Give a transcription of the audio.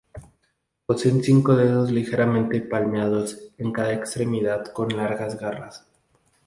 Poseen cinco dedos ligeramente palmeados en cada extremidad con largas garras.